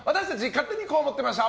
勝手にこう思ってました！